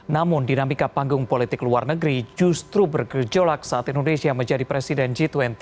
namun dinamika panggung politik luar negeri justru bergejolak saat indonesia menjadi presiden g dua puluh